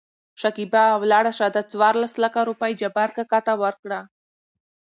شکېبا : ولاړ شه دا څورلس لکه روپۍ جبار کاکا ته ورکړه.